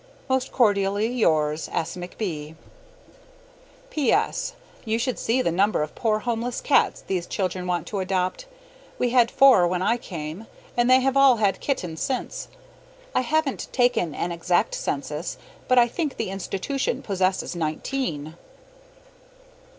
Most cordially yours, S. McB. P.S. You should see the number of poor homeless cats that these children want to adopt. We had four when I came, and they have all had kittens since. I haven't taken an exact census, but I think the institution possesses nineteen.